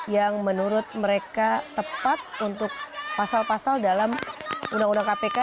yang menurut mereka tepat untuk pasal pasal dalam undang undang kpk